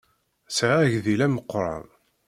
Ssɛiɣ agdil ameqran.